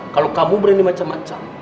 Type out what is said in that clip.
kalo kamu berani macem macem